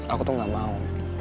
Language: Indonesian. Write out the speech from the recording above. aku tuh gak mau